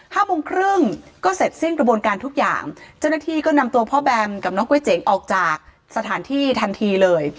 ห้าโมงครึ่งก็เสร็จสิ้นกระบวนการทุกอย่างเจ้าหน้าที่ก็นำตัวพ่อแบมกับน้องก๋วยเจ๋งออกจากสถานที่ทันทีเลย